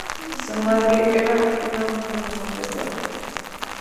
Su madre era una mujer de nombre Tora.